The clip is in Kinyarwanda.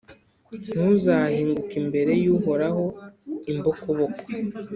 Ntuzahinguke imbere y’Uhoraho imbokoboko,